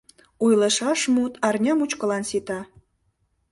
Ойлышаш мут арня мучкылан сита.